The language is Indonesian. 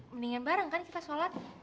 mendingan bareng kan kita sholat